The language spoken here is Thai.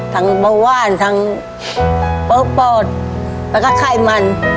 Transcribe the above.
ทั้งเบาว่านทั้งโป๊ดแล้วก็ไข้มัน